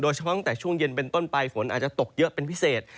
เฉพาะตั้งแต่ช่วงเย็นเป็นต้นไปฝนอาจจะตกเยอะเป็นพิเศษ